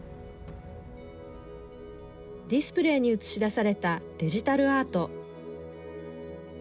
ディスプレーに映し出されたデジタルアート。